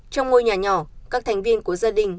trong ngôi nhà nhỏ các thành viên của gia đình